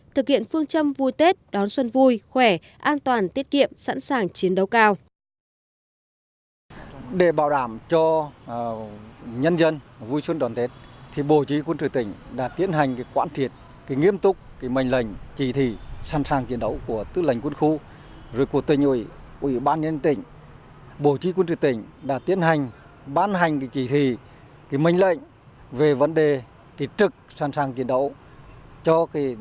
thực hiện phương châm vui tết đón xuân vui khỏe an toàn tiết kiệm sẵn sàng chiến đấu cao